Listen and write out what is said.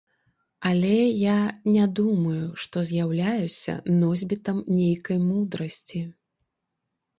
Але я не думаю, што з'яўляюся носьбітам нейкай мудрасці.